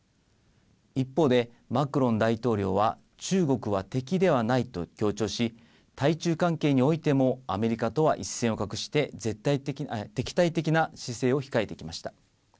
一方で、マクロン大統領は、中国は敵ではないと強調し、対中関係においてもアメリカとは一線を画して、敵対的な姿勢を控えてきました。